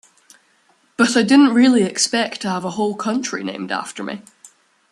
But I really didn't expect to have a whole county named after me.